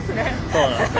そうなんです。